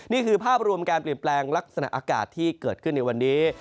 นี่คือภาพรวมการเปลี่ยนแปลงลักษณะอากาศที่เกิดขึ้นในวันนี้